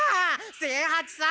清八さん！